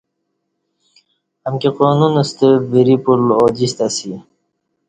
امکی قانون ستہ وری پُل اوجِستہ اسی